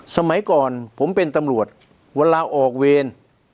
สมัยก่อนผมเป็นตำรวจเวลาออกเวร